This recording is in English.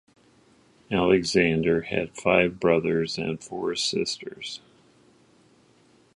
Alexander had five brothers and four sisters.